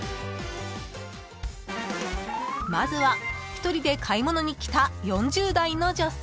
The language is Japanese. ［まずは１人で買い物に来た４０代の女性］